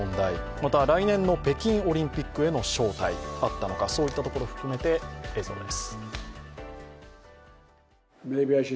また来年の北京オリンピックへの招待、あったのか、そういったところを含めて映像です。